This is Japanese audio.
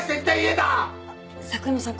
佐久山さん